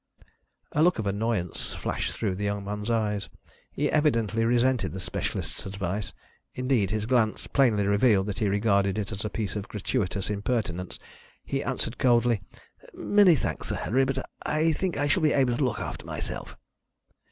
A look of annoyance flashed through the young man's eyes. He evidently resented the specialist's advice; indeed, his glance plainly revealed that he regarded it as a piece of gratuitous impertinence. He answered coldly: "Many thanks, Sir Henry, but I think I shall be able to look after myself."